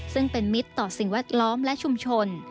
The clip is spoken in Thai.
ซึ่งเป็นมิตรต่อสิ่งแวดล้อมและชุมชน